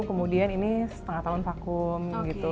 kemudian ini setengah tahun vakum gitu